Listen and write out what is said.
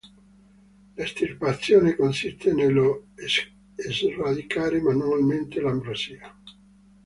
L'estirpazione consiste nello sradicare manualmente l'Ambrosia.